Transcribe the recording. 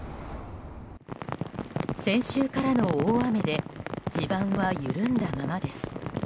先週からの大雨で地盤は緩んだままです。